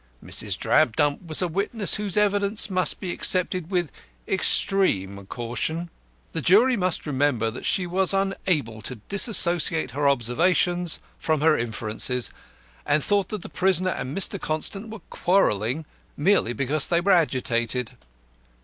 Mrs. Drabdump was a witness whose evidence must be accepted with extreme caution. The jury must remember that she was unable to dissociate her observations from her inferences, and thought that the prisoner and Mr. Constant were quarrelling merely because they were agitated.